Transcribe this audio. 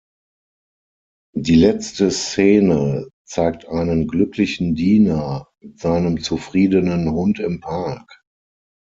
Die letzte Szene zeigt einen glücklichen Diener mit seinem zufriedenen Hund im Park.